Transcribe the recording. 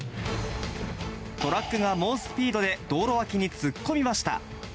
トラックが猛スピードで道路脇に突っ込みました。